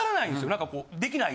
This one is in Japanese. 何かこうできない。